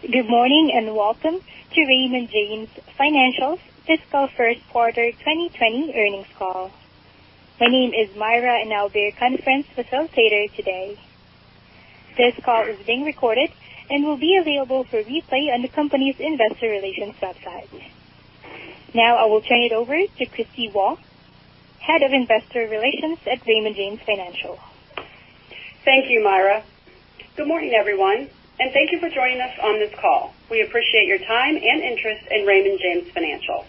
Good morning and welcome to Raymond James Financial's fiscal first quarter 2020 earnings call. My name is Myra, and I will be your conference facilitator today. This call is being recorded and will be available for replay on the company's Investor Relations website. Now I will turn it over to Kristie Waugh, Head of Investor Relations at Raymond James Financial. Thank you, Myra. Good morning, everyone, and thank you for joining us on this call. We appreciate your time and interest in Raymond James Financial.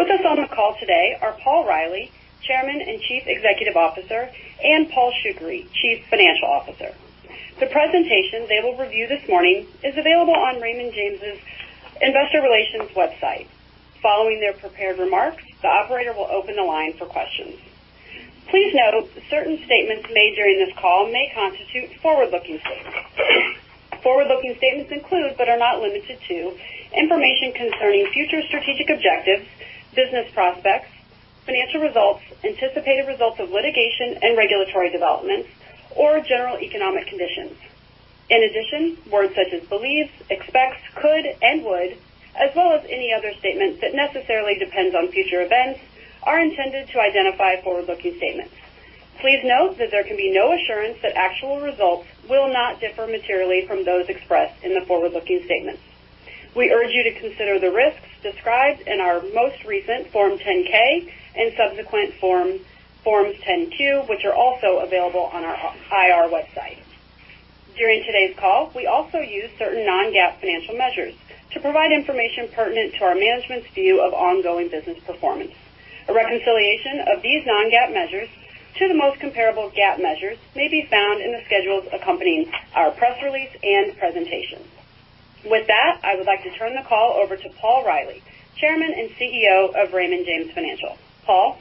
With us on the call today are Paul Reilly, Chairman and Chief Executive Officer, and Paul Shoukry, Chief Financial Officer. The presentation they will review this morning is available on Raymond James's Investor Relations website. Following their prepared remarks, the operator will open the line for questions. Please note certain statements made during this call may constitute forward-looking statements. Forward-looking statements include, but are not limited to, information concerning future strategic objectives, business prospects, financial results, anticipated results of litigation and regulatory developments, or general economic conditions. In addition, words such as believes, expects, could, and would, as well as any other statement that necessarily depends on future events, are intended to identify forward-looking statements. Please note that there can be no assurance that actual results will not differ materially from those expressed in the forward-looking statements. We urge you to consider the risks described in our most recent Form 10-K and subsequent Forms 10-Q, which are also available on our IR website. During today's call, we also use certain non-GAAP financial measures to provide information pertinent to our management's view of ongoing business performance. A reconciliation of these non-GAAP measures to the most comparable GAAP measures may be found in the schedules accompanying our press release and presentation. With that, I would like to turn the call over to Paul Reilly, Chairman and CEO of Raymond James Financial. Paul.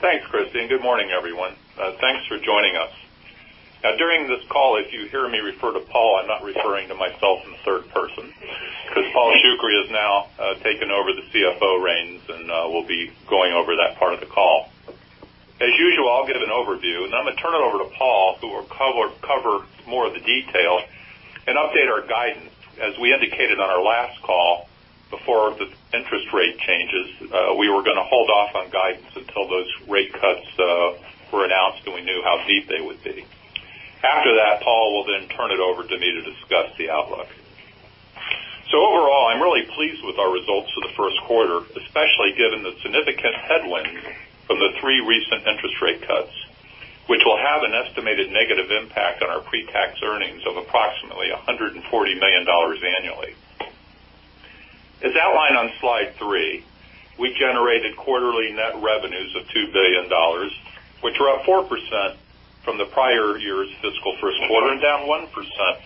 Thanks, Kristie. Good morning, everyone. Thanks for joining us. Now, during this call, if you hear me refer to Paul, I'm not referring to myself in the third person because Paul Shoukry has now taken over the CFO reins and will be going over that part of the call. As usual, I'll give an overview, and then I'm going to turn it over to Paul, who will cover more of the detail and update our guidance. As we indicated on our last call before the interest rate changes, we were going to hold off on guidance until those rate cuts were announced and we knew how deep they would be. After that, Paul will then turn it over to me to discuss the outlook. Overall, I'm really pleased with our results for the first quarter, especially given the significant headwinds from the three recent interest rate cuts, which will have an estimated negative impact on our pre-tax earnings of approximately $140 million annually. As outlined on slide three, we generated quarterly net revenues of $2 billion, which were up 4% from the prior year's fiscal first quarter and down 1%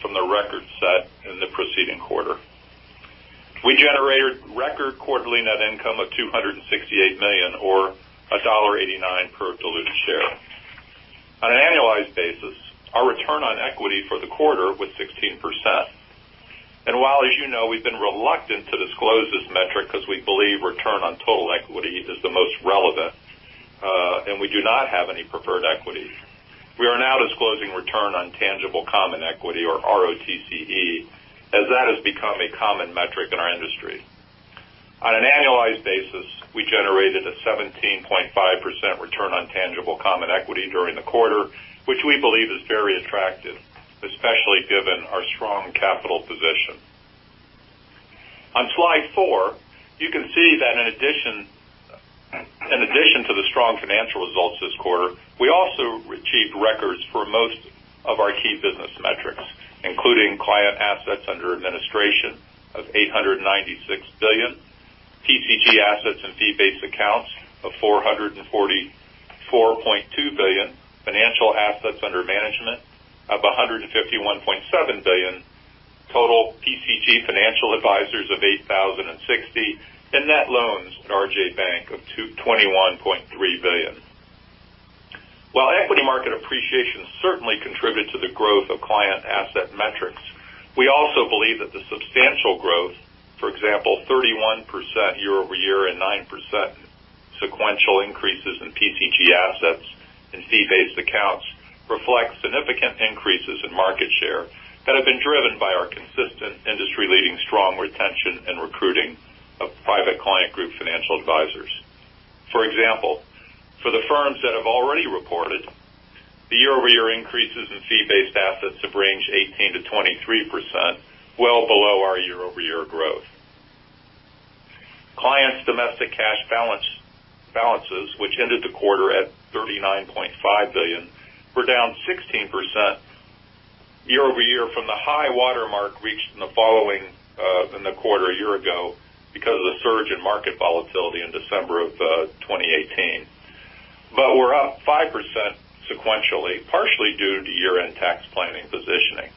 from the record set in the preceding quarter. We generated record quarterly net income of $268 million, or $1.89 per diluted share. On an annualized basis, our return on equity for the quarter was 16%. While, as you know, we've been reluctant to disclose this metric because we believe return on total equity is the most relevant and we do not have any preferred equity, we are now disclosing return on tangible common equity, or ROTCE, as that has become a common metric in our industry. On an annualized basis, we generated a 17.5% return on tangible common equity during the quarter, which we believe is very attractive, especially given our strong capital position. On slide four, you can see that in addition to the strong financial results this quarter, we also achieved records for most of our key business metrics, including client assets under administration of $896 billion, PCG assets and fee-based accounts of $444.2 billion, financial assets under management of $151.7 billion, total PCG financial advisors of 8,060, and net loans at RJ Bank of $21.3 billion. While equity market appreciation certainly contributed to the growth of client asset metrics, we also believe that the substantial growth, for example, 31% year-over-year and 9% sequential increases in PCG assets and fee-based accounts, reflects significant increases in market share that have been driven by our consistent industry-leading strong retention and recruiting of Private Client Group financial advisors. For example, for the firms that have already reported, the year-over-year increases in fee-based assets have ranged 18%-23%, well below our year-over-year growth. Clients' domestic cash balances, which ended the quarter at $39.5 billion, were down 16% year-over-year from the high-water mark reached in the quarter a year ago because of the surge in market volatility in December of 2018, but were up 5% sequentially, partially due to year-end tax planning positioning.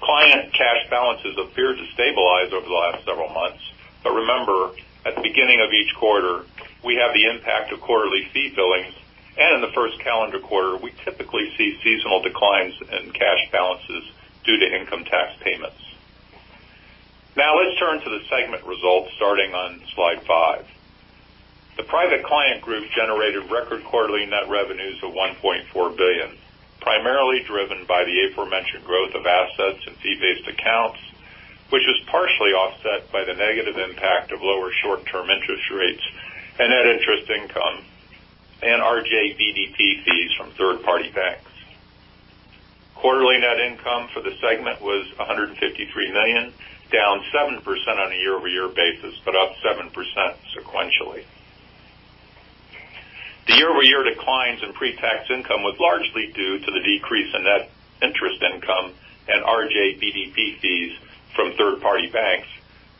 Client cash balances appear to stabilize over the last several months, but remember, at the beginning of each quarter, we have the impact of quarterly fee billings, and in the first calendar quarter, we typically see seasonal declines in cash balances due to income tax payments. Now let's turn to the segment results starting on slide five. The Private Client Group generated record quarterly net revenues of $1.4 billion, primarily driven by the aforementioned growth of assets and fee-based accounts, which was partially offset by the negative impact of lower short-term interest rates and net interest income and RJBDP fees from third-party banks. Quarterly net income for the segment was $153 million, down 7% on a year-over-year basis, but up 7% sequentially. The year-over-year declines in pre-tax income were largely due to the decrease in net interest income and RJBDP fees from third-party banks,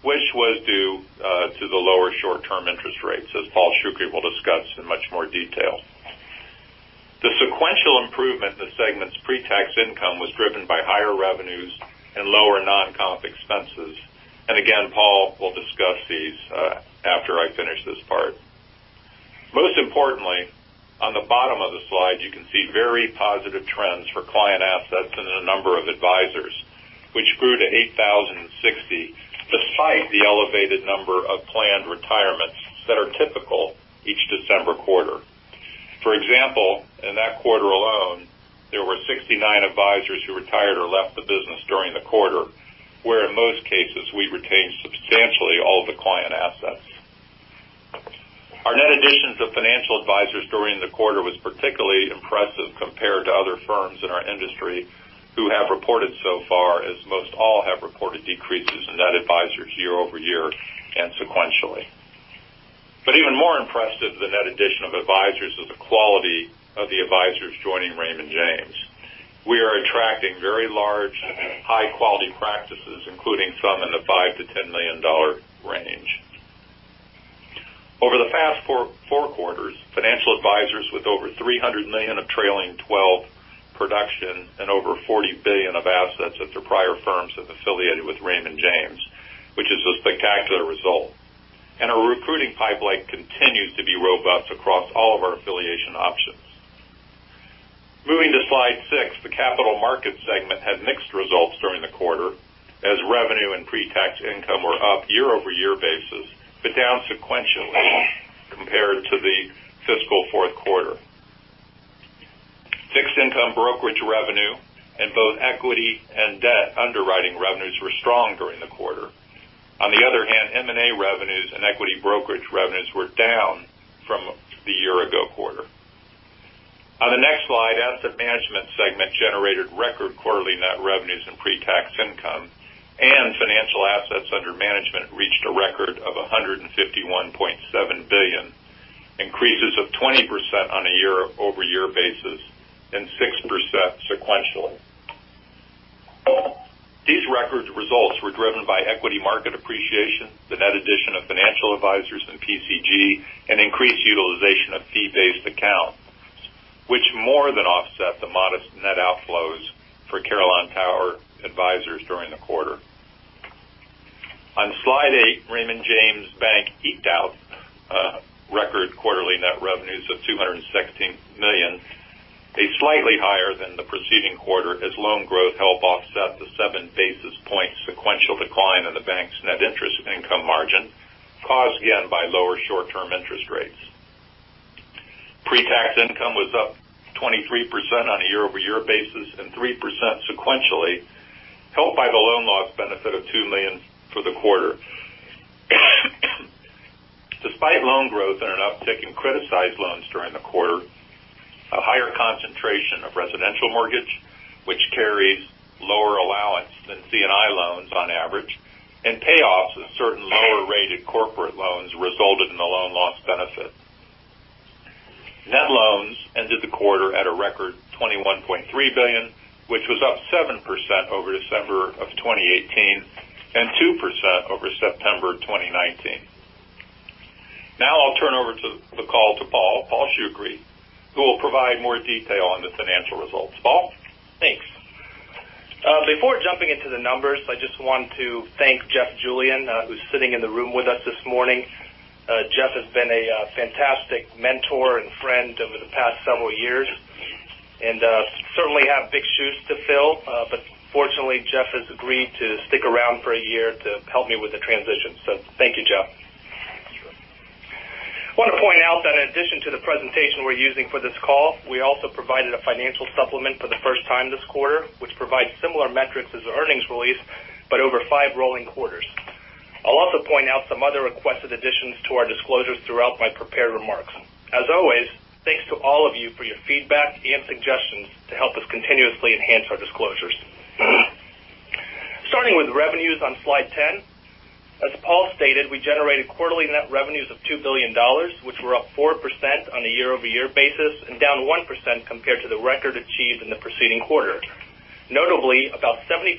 which was due to the lower short-term interest rates, as Paul Shoukry will discuss in much more detail. The sequential improvement in the segment's pre-tax income was driven by higher revenues and lower non-comp expenses, and again, Paul will discuss these after I finish this part. Most importantly, on the bottom of the slide, you can see very positive trends for client assets and a number of advisors, which grew to 8,060 despite the elevated number of planned retirements that are typical each December quarter. For example, in that quarter alone, there were 69 advisors who retired or left the business during the quarter, where in most cases, we retained substantially all the client assets. Our net additions of financial advisors during the quarter was particularly impressive compared to other firms in our industry who have reported so far, as most all have reported decreases in net advisors year-over-year and sequentially. But even more impressive than that addition of advisors is the quality of the advisors joining Raymond James. We are attracting very large, high-quality practices, including some in the $5 million-$10 million range. Over the past four quarters, financial advisors with over $300 million of trailing 12 production and over $40 billion of assets at their prior firms have affiliated with Raymond James, which is a spectacular result. And our recruiting pipeline continues to be robust across all of our affiliation options. Moving to slide six, the Capital Markets segment had mixed results during the quarter, as revenue and pre-tax income were up year-over-year basis, but down sequentially compared to the fiscal fourth quarter. Fixed income brokerage revenue and both equity and debt underwriting revenues were strong during the quarter. On the other hand, M&A revenues and equity brokerage revenues were down from the year-ago quarter. On the next slide, Asset Management segment generated record quarterly net revenues and pre-tax income, and financial assets under management reached a record of $151.7 billion, increases of 20% on a year-over-year basis and 6% sequentially. These record results were driven by equity market appreciation, the net addition of financial advisors and PCG, and increased utilization of fee-based accounts, which more than offset the modest net outflows for Carillon Tower Advisers during the quarter. On slide eight, Raymond James Bank eked out record quarterly net revenues of $216 million, a slightly higher than the preceding quarter, as loan growth helped offset the seven basis points sequential decline in the bank's net interest income margin, caused again by lower short-term interest rates. Pre-tax income was up 23% on a year-over-year basis and 3% sequentially, helped by the loan loss benefit of $2 million for the quarter. Despite loan growth and an uptick in criticized loans during the quarter, a higher concentration of residential mortgage, which carries lower allowance than C&I loans on average, and payoffs of certain lower-rated corporate loans resulted in a loan loss benefit. Net loans ended the quarter at a record $21.3 billion, which was up 7% over December of 2018 and 2% over September 2019. Now I'll turn over the call to Paul, Paul Shoukry, who will provide more detail on the financial results. Paul? Thanks. Before jumping into the numbers, I just want to thank Jeff Julien, who's sitting in the room with us this morning. Jeff has been a fantastic mentor and friend over the past several years and certainly have big shoes to fill, but fortunately, Jeff has agreed to stick around for a year to help me with the transition. So thank you, Jeff. I want to point out that in addition to the presentation we're using for this call, we also provided a financial supplement for the first time this quarter, which provides similar metrics as the earnings release, but over five rolling quarters. I'll also point out some other requested additions to our disclosures throughout my prepared remarks. As always, thanks to all of you for your feedback and suggestions to help us continuously enhance our disclosures. Starting with revenues on slide 10, as Paul stated, we generated quarterly net revenues of $2 billion, which were up 4% on a year-over-year basis and down 1% compared to the record achieved in the preceding quarter. Notably, about 75%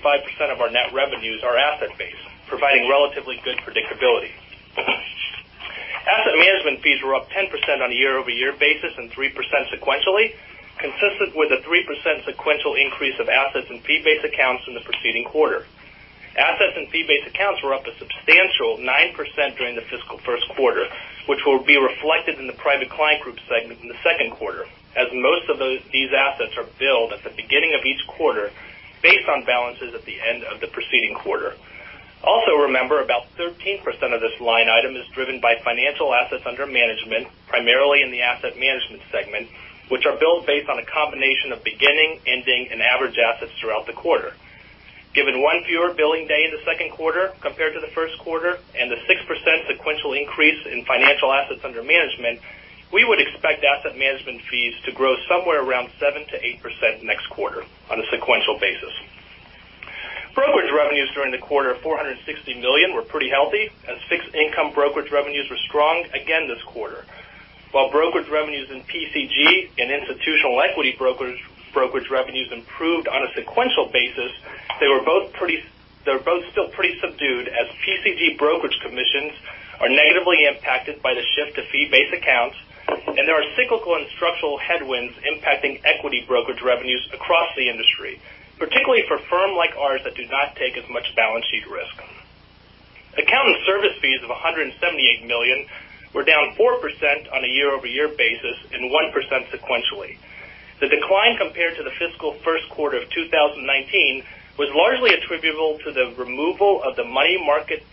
of our net revenues are asset-based, providing relatively good predictability. Asset Management fees were up 10% on a year-over-year basis and 3% sequentially, consistent with a 3% sequential increase of assets and fee-based accounts in the preceding quarter. Assets and fee-based accounts were up a substantial 9% during the fiscal first quarter, which will be reflected in the Private Client Group segment in the second quarter, as most of these assets are billed at the beginning of each quarter based on balances at the end of the preceding quarter. Also, remember, about 13% of this line item is driven by financial assets under management, primarily in the Asset Management segment, which are billed based on a combination of beginning, ending, and average assets throughout the quarter. Given one fewer billing day in the second quarter compared to the first quarter and the 6% sequential increase in financial assets under management, we would expect Asset Management fees to grow somewhere around 7%-8% next quarter on a sequential basis. Brokerage revenues during the quarter of $460 million were pretty healthy, as fixed income brokerage revenues were strong again this quarter. While brokerage revenues in PCG and institutional equity brokerage revenues improved on a sequential basis, they were both still pretty subdued, as PCG brokerage commissions are negatively impacted by the shift to fee-based accounts, and there are cyclical and structural headwinds impacting equity brokerage revenues across the industry, particularly for firms like ours that do not take as much balance sheet risk. Account and service fees of $178 million were down 4% on a year-over-year basis and 1% sequentially. The decline compared to the fiscal first quarter of 2019 was largely attributable to the removal of the money market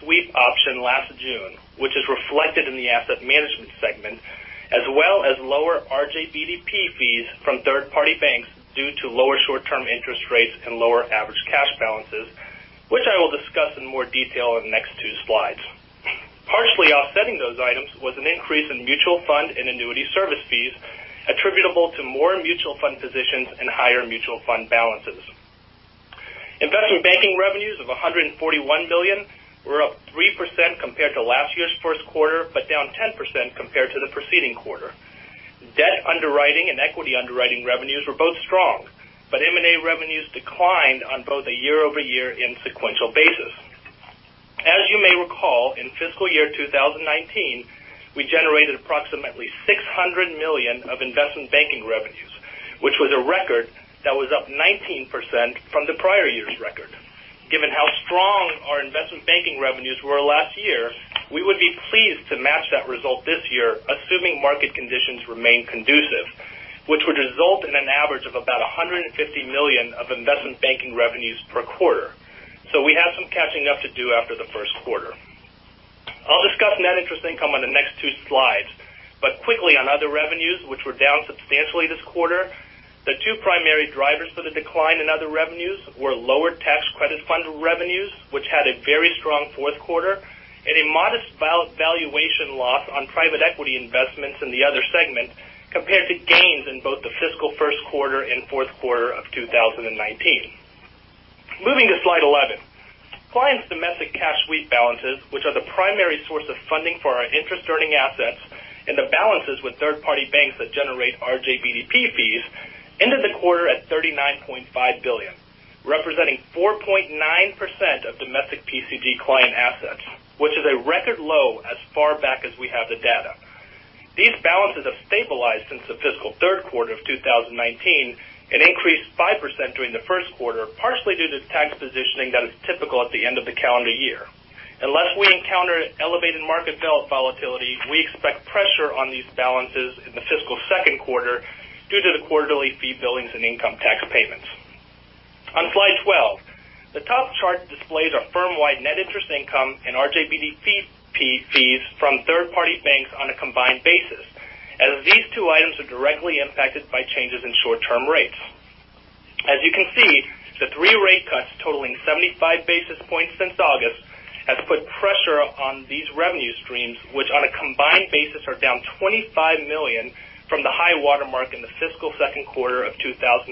sweep option last June, which is reflected in the Asset Management segment, as well as lower RJBDP fees from third-party banks due to lower short-term interest rates and lower average cash balances, which I will discuss in more detail in the next two slides. Partially offsetting those items was an increase in mutual fund and annuity service fees attributable to more mutual fund positions and higher mutual fund balances. Investment banking revenues of $141 million were up 3% compared to last year's first quarter, but down 10% compared to the preceding quarter. Debt underwriting and equity underwriting revenues were both strong, but M&A revenues declined on both a year-over-year and sequential basis. As you may recall, in fiscal year 2019, we generated approximately $600 million of investment banking revenues, which was a record that was up 19% from the prior year's record. Given how strong our investment banking revenues were last year, we would be pleased to match that result this year, assuming market conditions remain conducive, which would result in an average of about $150 million of investment banking revenues per quarter. So we have some catching up to do after the first quarter. I'll discuss net interest income on the next two slides, but quickly on other revenues, which were down substantially this quarter. The two primary drivers for the decline in other revenues were lower tax credit fund revenues, which had a very strong fourth quarter, and a modest valuation loss on private equity investments in the Other segment compared to gains in both the fiscal first quarter and fourth quarter of 2019. Moving to slide 11, clients' domestic cash sweep balances, which are the primary source of funding for our interest-earning assets and the balances with third-party banks that generate RJBDP fees, ended the quarter at $39.5 billion, representing 4.9% of domestic PCG client assets, which is a record low as far back as we have the data. These balances have stabilized since the fiscal third quarter of 2019 and increased 5% during the first quarter, partially due to tax positioning that is typical at the end of the calendar year. Unless we encounter elevated market volatility, we expect pressure on these balances in the fiscal second quarter due to the quarterly fee billings and income tax payments. On slide 12, the top chart displays our firm-wide net interest income and RJBDP fees from third-party banks on a combined basis, as these two items are directly impacted by changes in short-term rates. As you can see, the three rate cuts totaling 75 basis points since August have put pressure on these revenue streams, which on a combined basis are down $25 million from the high watermark in the fiscal second quarter of 2019,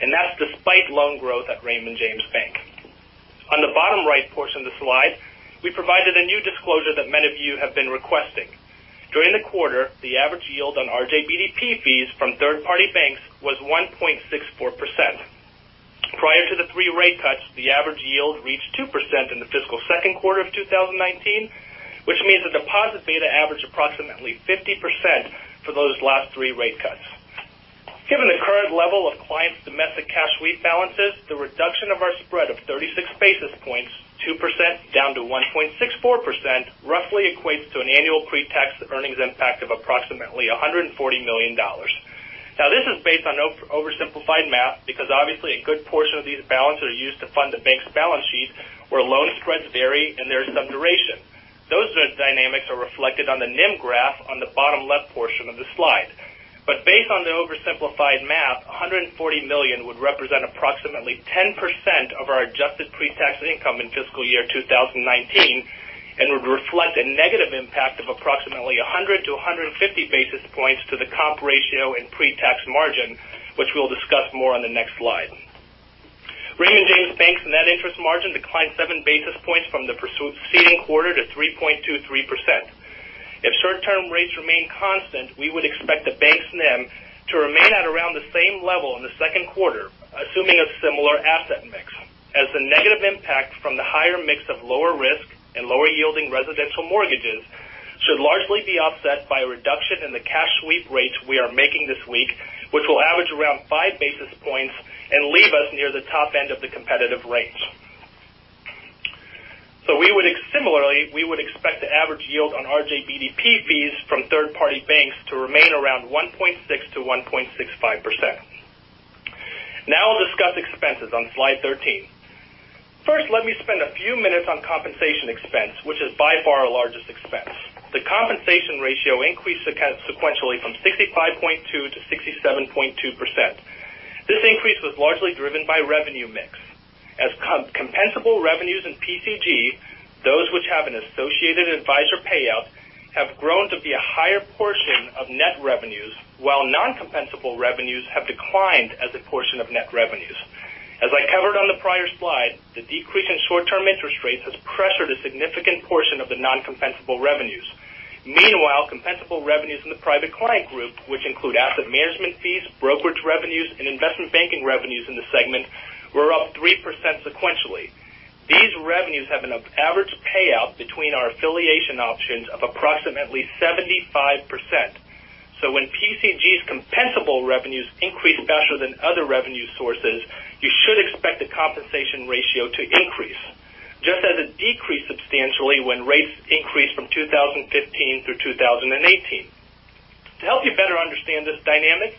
and that's despite loan growth at Raymond James Bank. On the bottom right portion of the slide, we provided a new disclosure that many of you have been requesting. During the quarter, the average yield on RJBDP fees from third-party banks was 1.64%. Prior to the three rate cuts, the average yield reached 2% in the fiscal second quarter of 2019, which means the deposit beta averaged approximately 50% for those last three rate cuts. Given the current level of clients' domestic cash sweep balances, the reduction of our spread of 36 basis points, 2% down to 1.64%, roughly equates to an annual pre-tax earnings impact of approximately $140 million. Now, this is based on oversimplified math because, obviously, a good portion of these balances are used to fund the bank's balance sheet, where loan spreads vary and there's some duration. Those dynamics are reflected on the NIM graph on the bottom left portion of the slide. Based on the oversimplified math, $140 million would represent approximately 10% of our adjusted pre-tax income in fiscal year 2019 and would reflect a negative impact of approximately 100-150 basis points to the comp ratio and pre-tax margin, which we'll discuss more on the next slide. Raymond James Bank's net interest margin declined 7 basis points from the preceding quarter to 3.23%. If short-term rates remain constant, we would expect the bank's NIM to remain at around the same level in the second quarter, assuming a similar asset mix, as the negative impact from the higher mix of lower risk and lower-yielding residential mortgages should largely be offset by a reduction in the cash sweep rates we are making this week, which will average around 5 basis points and leave us near the top end of the competitive range. So similarly, we would expect the average yield on RJBDP fees from third-party banks to remain around 1.6%-1.65%. Now I'll discuss expenses on slide 13. First, let me spend a few minutes on compensation expense, which is by far our largest expense. The compensation ratio increased sequentially from 65.2%-67.2%. This increase was largely driven by revenue mix. As compensable revenues in PCG, those which have an associated advisor payout, have grown to be a higher portion of net revenues, while non-compensable revenues have declined as a portion of net revenues. As I covered on the prior slide, the decrease in short-term interest rates has pressured a significant portion of the non-compensable revenues. Meanwhile, compensable revenues in the Private Client Group, which include Asset Management fees, brokerage revenues, and investment banking revenues in the segment, were up 3% sequentially. These revenues have an average payout between our affiliation options of approximately 75%. So when PCG's compensable revenues increase faster than other revenue sources, you should expect the compensation ratio to increase, just as it decreased substantially when rates increased from 2015 through 2018. To help you better understand this dynamic,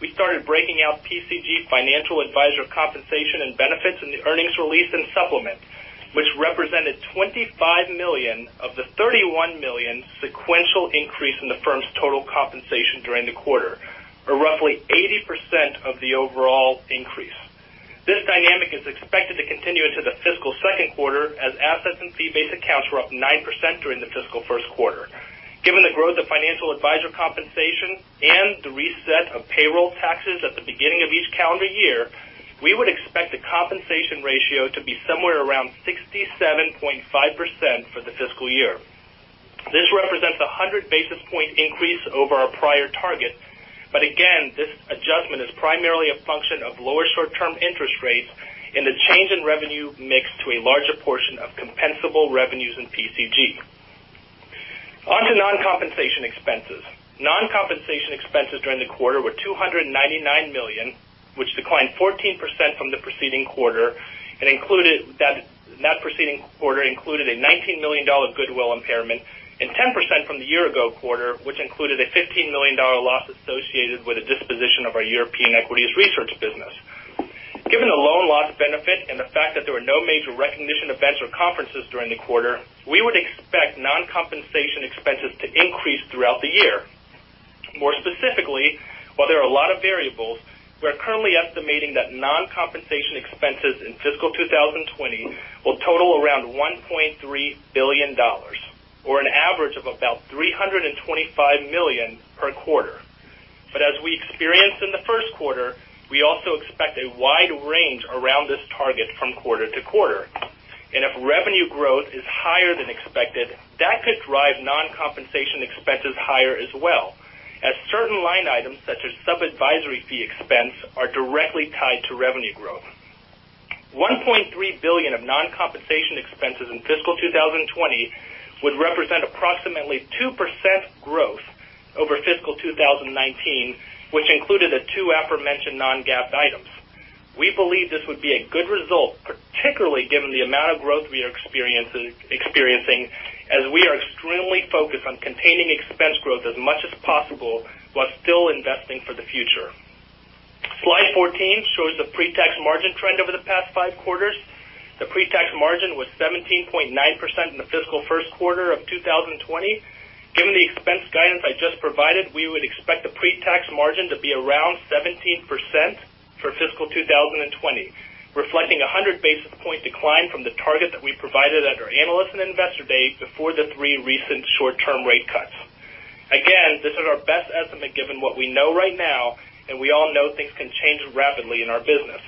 we started breaking out PCG financial advisor compensation and benefits in the earnings release and supplement, which represented $25 million of the $31 million sequential increase in the firm's total compensation during the quarter, or roughly 80% of the overall increase. This dynamic is expected to continue into the fiscal second quarter, as assets and fee-based accounts were up 9% during the fiscal first quarter. Given the growth of financial advisor compensation and the reset of payroll taxes at the beginning of each calendar year, we would expect the compensation ratio to be somewhere around 67.5% for the fiscal year. This represents a 100 basis point increase over our prior target, but again, this adjustment is primarily a function of lower short-term interest rates and the change in revenue mixed to a larger portion of compensable revenues in PCG. Onto non-compensation expenses. Non-compensation expenses during the quarter were $299 million, which declined 14% from the preceding quarter, and that preceding quarter included a $19 million goodwill impairment and 10% from the year-ago quarter, which included a $15 million loss associated with a disposition of our European Equities Research business. Given the loan loss benefit and the fact that there were no major recognition events or conferences during the quarter, we would expect non-compensation expenses to increase throughout the year. More specifically, while there are a lot of variables, we're currently estimating that non-compensation expenses in fiscal 2020 will total around $1.3 billion, or an average of about $325 million per quarter. But as we experienced in the first quarter, we also expect a wide range around this target from quarter to quarter. And if revenue growth is higher than expected, that could drive non-compensation expenses higher as well, as certain line items such as sub-advisory fee expense are directly tied to revenue growth. $1.3 billion of non-compensation expenses in fiscal 2020 would represent approximately 2% growth over fiscal 2019, which included the two aforementioned non-GAAP items. We believe this would be a good result, particularly given the amount of growth we are experiencing, as we are extremely focused on containing expense growth as much as possible while still investing for the future. Slide 14 shows the pre-tax margin trend over the past five quarters. The pre-tax margin was 17.9% in the fiscal first quarter of 2020. Given the expense guidance I just provided, we would expect the pre-tax margin to be around 17% for fiscal 2020, reflecting a 100 basis points decline from the target that we provided at our analysts and investor day before the three recent short-term rate cuts. Again, this is our best estimate given what we know right now, and we all know things can change rapidly in our business.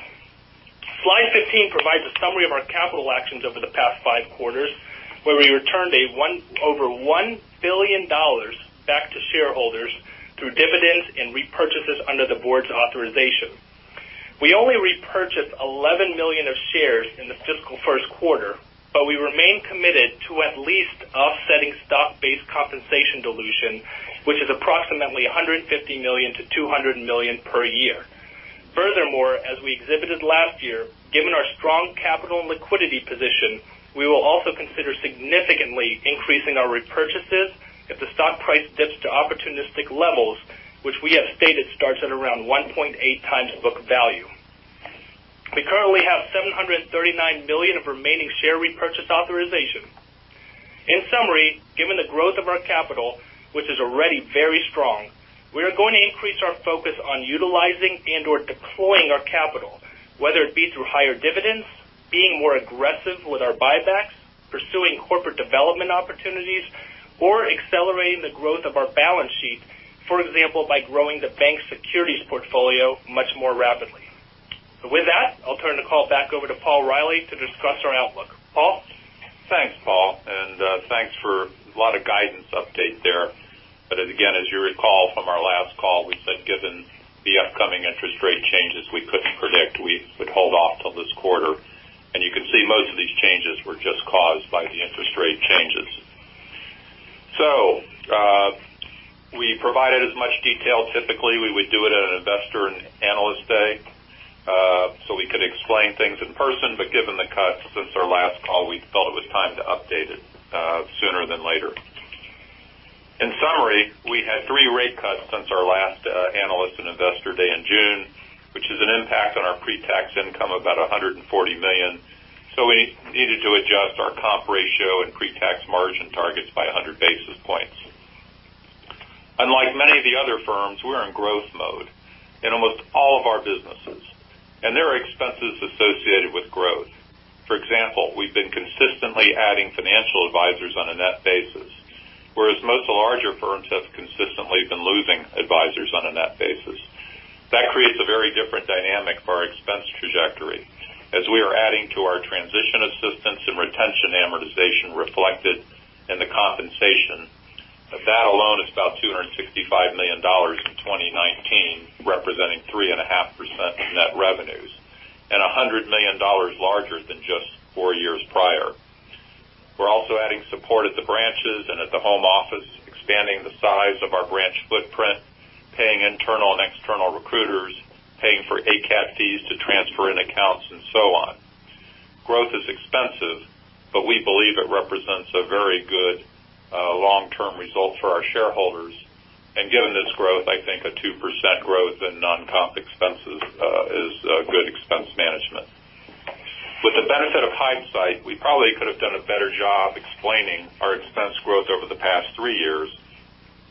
Slide 15 provides a summary of our capital actions over the past five quarters, where we returned over $1 billion back to shareholders through dividends and repurchases under the board's authorization. We only repurchased 11 million of shares in the fiscal first quarter, but we remain committed to at least offsetting stock-based compensation dilution, which is approximately $150 million-$200 million per year. Furthermore, as we exhibited last year, given our strong capital and liquidity position, we will also consider significantly increasing our repurchases if the stock price dips to opportunistic levels, which we have stated starts at around 1.8x book value. We currently have $739 million of remaining share repurchase authorization. In summary, given the growth of our capital, which is already very strong, we are going to increase our focus on utilizing and/or deploying our capital, whether it be through higher dividends, being more aggressive with our buybacks, pursuing corporate development opportunities, or accelerating the growth of our balance sheet, for example, by growing the bank's securities portfolio much more rapidly. With that, I'll turn the call back over to Paul Reilly to discuss our outlook. Paul? Thanks, Paul, and thanks for a lot of guidance update there, but again, as you recall from our last call, we said given the upcoming interest rate changes, we couldn't predict we would hold off till this quarter, and you can see most of these changes were just caused by the interest rate changes. So, we provided as much detail typically we would do it at an Investor and Analyst Day, so we could explain things in person. But given the cuts since our last call, we felt it was time to update it sooner than later. In summary, we had three rate cuts since our last Analyst and Investor Day in June, which has an impact on our pre-tax income of about $140 million. So we needed to adjust our comp ratio and pre-tax margin targets by 100 basis points. Unlike many of the other firms, we're in growth mode in almost all of our businesses, and there are expenses associated with growth. For example, we've been consistently adding financial advisors on a net basis, whereas most of the larger firms have consistently been losing advisors on a net basis. That creates a very different dynamic for our expense trajectory, as we are adding to our transition assistance and retention amortization reflected in the compensation. That alone is about $265 million in 2019, representing 3.5% of net revenues, and $100 million larger than just four years prior. We're also adding support at the branches and at the home office, expanding the size of our branch footprint, paying internal and external recruiters, paying for ACAT fees to transfer in accounts, and so on. Growth is expensive, but we believe it represents a very good long-term result for our shareholders. And given this growth, I think a 2% growth in non-comp expenses is good expense management. With the benefit of hindsight, we probably could have done a better job explaining our expense growth over the past three years,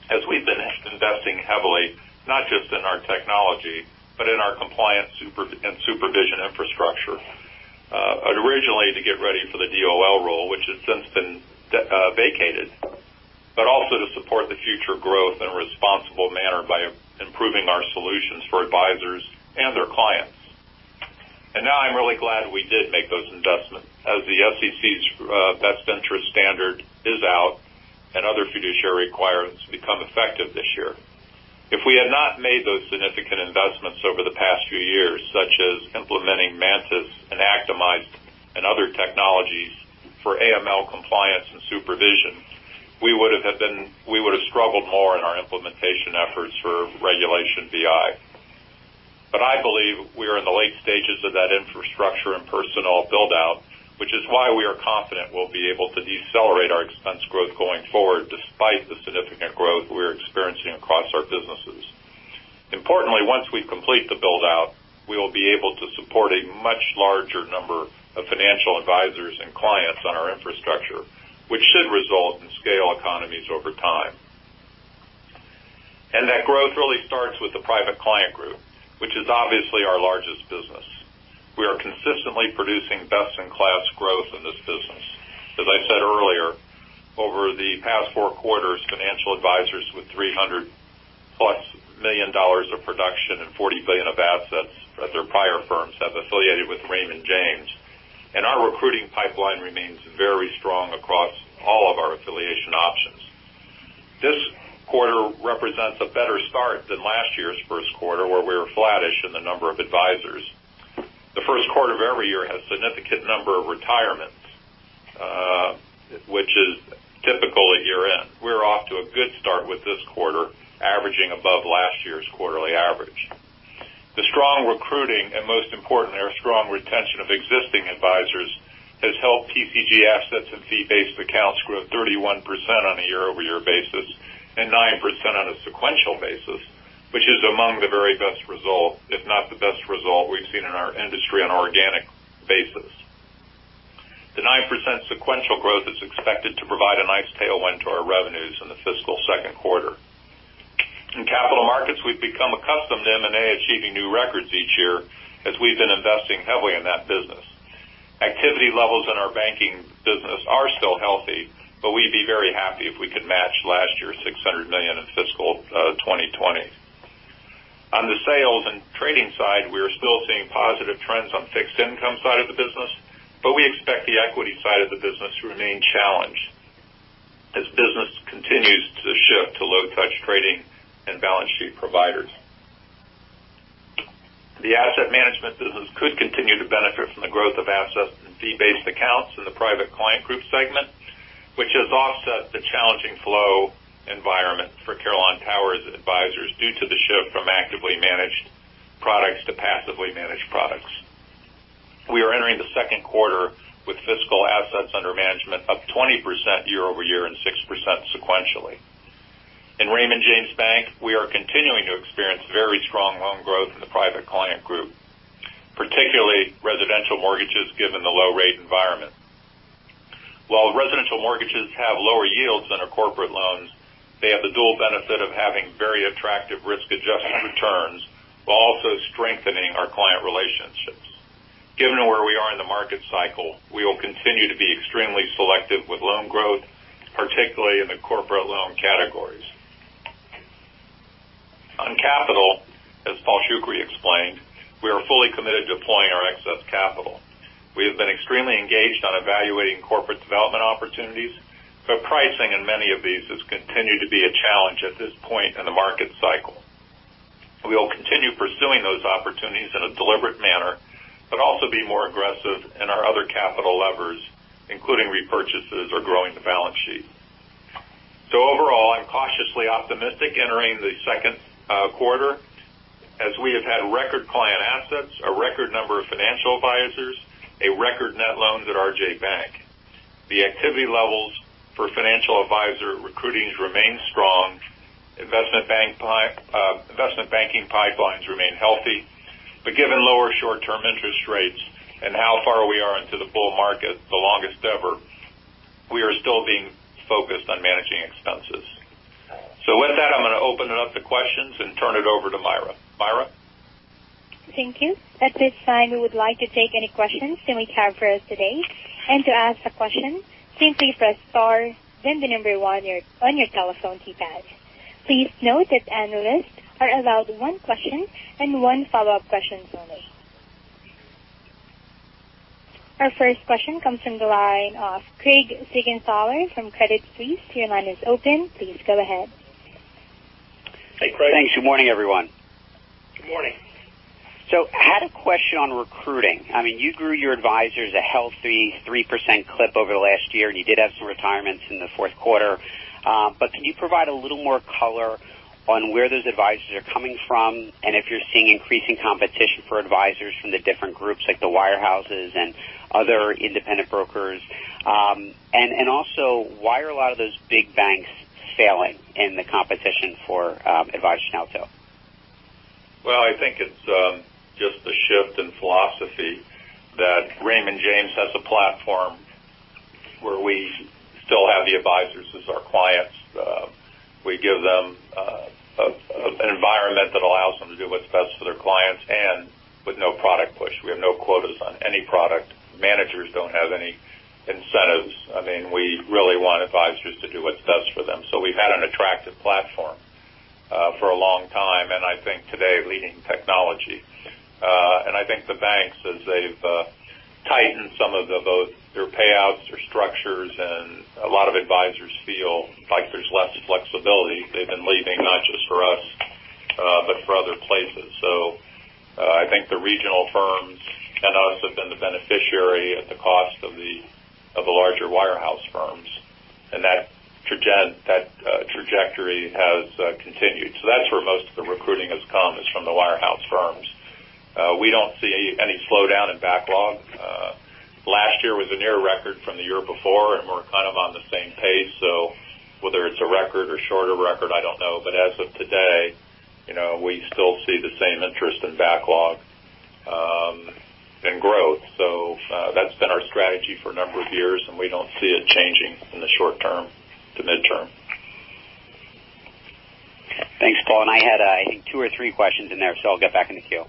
as we've been investing heavily, not just in our technology, but in our compliance and supervision infrastructure. Originally to get ready for the DOL rule, which has since been vacated, but also to support the future growth in a responsible manner by improving our solutions for advisors and their clients. And now I'm really glad we did make those investments, as the SEC's best interest standard is out and other fiduciary requirements become effective this year. If we had not made those significant investments over the past few years, such as implementing Mantas and Actimize and other technologies for AML compliance and supervision, we would have struggled more in our implementation efforts for Regulation BI. But I believe we are in the late stages of that infrastructure and personnel buildout, which is why we are confident we'll be able to decelerate our expense growth going forward, despite the significant growth we're experiencing across our businesses. Importantly, once we complete the buildout, we will be able to support a much larger number of financial advisors and clients on our infrastructure, which should result in scale economies over time. And that growth really starts with the Private Client Group, which is obviously our largest business. We are consistently producing best-in-class growth in this business. As I said earlier, over the past four quarters, financial advisors with $300+ million of production and $40 billion of assets at their prior firms have affiliated with Raymond James. And our recruiting pipeline remains very strong across all of our affiliation options. This quarter represents a better start than last year's first quarter, where we were flattish in the number of advisors. The first quarter of every year has a significant number of retirements, which is typical a year in. We're off to a good start with this quarter, averaging above last year's quarterly average. The strong recruiting, and most importantly, our strong retention of existing advisors has helped PCG assets and fee-based accounts grow 31% on a year-over-year basis and 9% on a sequential basis, which is among the very best results, if not the best result we've seen in our industry on an organic basis. The 9% sequential growth is expected to provide a nice tailwind to our revenues in the fiscal second quarter. In Capital Markets, we've become accustomed to M&A achieving new records each year, as we've been investing heavily in that business. Activity levels in our banking business are still healthy, but we'd be very happy if we could match last year's $600 million in fiscal 2020. On the sales and trading side, we are still seeing positive trends on the fixed income side of the business, but we expect the equity side of the business to remain challenged as business continues to shift to low-touch trading and balance sheet providers. The Asset Management business could continue to benefit from the growth of assets and fee-based accounts in the Private Client Group segment, which has offset the challenging flow environment for Carillon Tower Advisers due to the shift from actively managed products to passively managed products. We are entering the second quarter with fiscal assets under management up 20% year-over-year and 6% sequentially. In Raymond James Bank, we are continuing to experience very strong loan growth in the Private Client Group, particularly residential mortgages given the low-rate environment. While residential mortgages have lower yields than our corporate loans, they have the dual benefit of having very attractive risk-adjusted returns while also strengthening our client relationships. Given where we are in the market cycle, we will continue to be extremely selective with loan growth, particularly in the corporate loan categories. On capital, as Paul Shoukry explained, we are fully committed to deploying our excess capital. We have been extremely engaged on evaluating corporate development opportunities, but pricing in many of these has continued to be a challenge at this point in the market cycle. We will continue pursuing those opportunities in a deliberate manner but also be more aggressive in our other capital levers, including repurchases or growing the balance sheet. So overall, I'm cautiously optimistic entering the second quarter, as we have had record client assets, a record number of financial advisors, and a record net loans at RJ Bank. The activity levels for financial advisor recruiting remain strong. Investment banking pipelines remain healthy. But given lower short-term interest rates and how far we are into the bull market, the longest ever, we are still being focused on managing expenses. So with that, I'm going to open it up to questions and turn it over to Myra. Myra? Thank you. At this time, we would like to take any questions that we have for us today and to ask a question. Simply press star, then the number one on your telephone keypad. Please note that analysts are allowed one question and one follow-up question only. Our first question comes from the line of Craig Siegenthaler from Credit Suisse. Your line is open. Please go ahead. Hey, Craig. Thanks. Good morning, everyone. Good morning. I had a question on recruiting. I mean, you grew your advisors a healthy 3% clip over the last year, and you did have some retirements in the fourth quarter. But can you provide a little more color on where those advisors are coming from and if you're seeing increasing competition for advisors from the different groups like the wirehouses and other independent brokers? And also, why are a lot of those big banks failing in the competition for advisors now, though? I think it's just the shift in philosophy that Raymond James has a platform where we still have the advisors as our clients. We give them an environment that allows them to do what's best for their clients and with no product push. We have no quotas on any product. Managers don't have any incentives. I mean, we really want advisors to do what's best for them, so we've had an attractive platform for a long time, and I think today leading technology, and I think the banks, as they've tightened some of their payouts, their structures, and a lot of advisors feel like there's less flexibility. They've been leaving not just for us, but for other places, so I think the regional firms and us have been the beneficiary at the cost of the larger wirehouse firms, and that trajectory has continued, so that's where most of the recruiting has come, is from the wirehouse firms. We don't see any slowdown in backlog. Last year was a near record from the year before, and we're kind of on the same pace, so whether it's a record or shorter record, I don't know. But as of today, we still see the same interest in backlog and growth. So that's been our strategy for a number of years, and we don't see it changing in the short term to midterm. Thanks, Paul. And I had, I think, two or three questions in there, so I'll get back in the queue.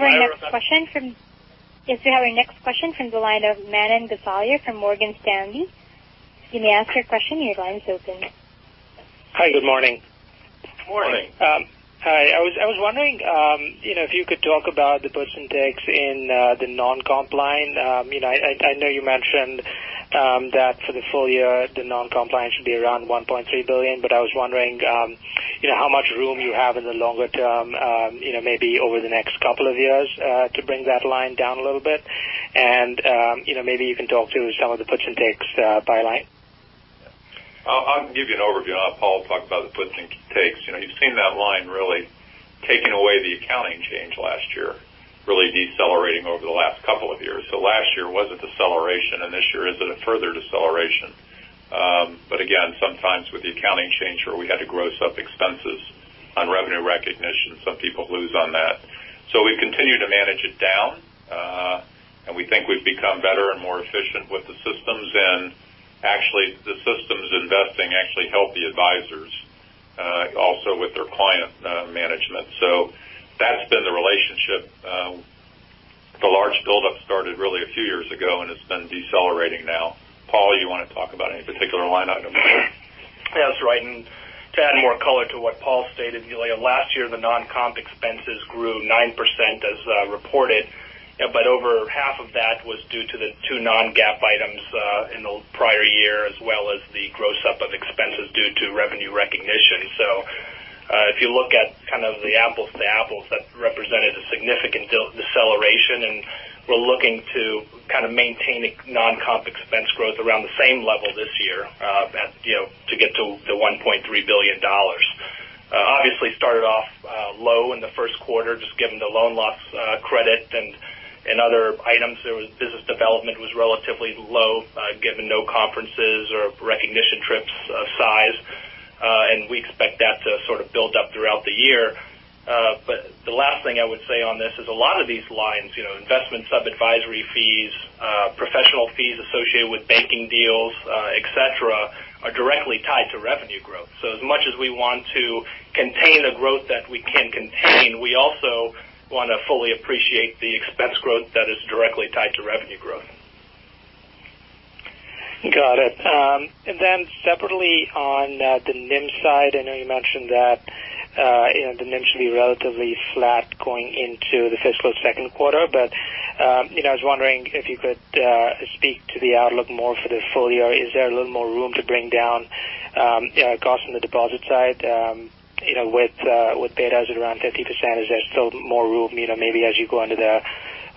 Hello? Next question? We have our next question from, yes, we have our next question from the line of Manan Gosalia from Morgan Stanley. You may ask your question. Your line is open. Hi. Good morning. Morning. Hi. I was wondering if you could talk about the puts and takes in the non-comp line. I know you mentioned that for the full year, the non-comp line should be around $1.3 billion, but I was wondering how much room you have in the longer term, maybe over the next couple of years, to bring that line down a little bit. And maybe you can talk to some of the business intakes by line. I'll give you an overview. I'll let Paul talk about the business intakes. You've seen that line really taking away the accounting change last year, really decelerating over the last couple of years. So last year was a deceleration, and this year is at a further deceleration. But again, sometimes with the accounting change where we had to gross up expenses on revenue recognition, some people lose on that. So we've continued to manage it down, and we think we've become better and more efficient with the systems. Actually, the systems investing actually help the advisors also with their client management. That's been the relationship. The large buildup started really a few years ago, and it's been decelerating now. Paul, you want to talk about any particular line item? That's right. To add more color to what Paul stated, last year, the non-comp expenses grew 9% as reported, but over half of that was due to the two non-GAAP items in the prior year, as well as the gross up of expenses due to revenue recognition. If you look at kind of the apples to apples, that represented a significant deceleration, and we're looking to kind of maintain non-comp expense growth around the same level this year to get to the $1.3 billion. Obviously, started off low in the first quarter, just given the loan loss credit and other items. Business development was relatively low, given no conferences or recognition trips of size. And we expect that to sort of build up throughout the year. But the last thing I would say on this is a lot of these lines, investment sub-advisory fees, professional fees associated with banking deals, etc., are directly tied to revenue growth. So as much as we want to contain the growth that we can contain, we also want to fully appreciate the expense growth that is directly tied to revenue growth. Got it. And then separately on the NIM side, I know you mentioned that the NIM should be relatively flat going into the fiscal second quarter, but I was wondering if you could speak to the outlook more for the full year. Is there a little more room to bring down costs on the deposit side with betas at around 50%? Is there still more room, maybe as you go into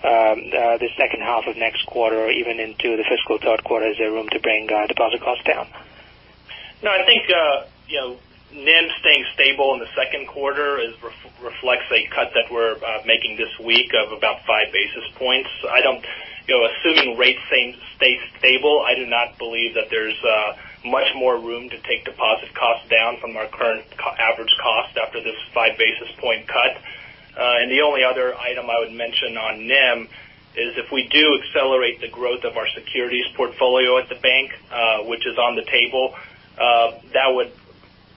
the second half of next quarter or even into the fiscal third quarter, is there room to bring deposit costs down? No, I think NIM staying stable in the second quarter reflects a cut that we're making this week of about five basis points. Assuming rates stay stable, I do not believe that there's much more room to take deposit costs down from our current average cost after this five basis point cut. And the only other item I would mention on NIM is if we do accelerate the growth of our securities portfolio at the bank, which is on the table, that would,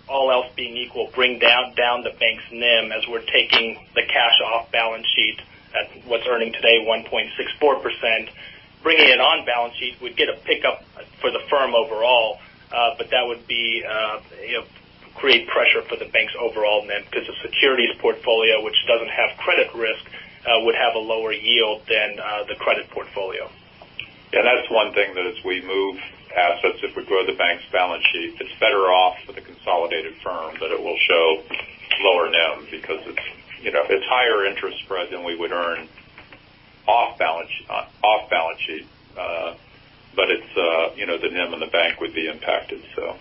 all else being equal, bring down the bank's NIM as we're taking the cash off balance sheet at what's earning today, 1.64%. Bringing it on balance sheet would get a pickup for the firm overall, but that would create pressure for the bank's overall NIM because the securities portfolio, which doesn't have credit risk, would have a lower yield than the credit portfolio. Yeah, that's one thing that as we move assets, if we grow the bank's balance sheet, it's better off for the consolidated firm, but it will show lower NIM because it's higher interest spread than we would earn off balance sheet. But the NIM and the bank would be impacted, so.